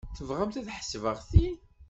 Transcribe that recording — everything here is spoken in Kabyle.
Tebɣamt ad ḥesbeɣ ti?